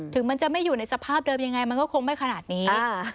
ถึงมันจะไม่อยู่ในสภาพเดิมยังไงมันก็คงไม่ขนาดนี้